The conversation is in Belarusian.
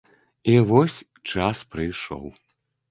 І вось час прыйшоў.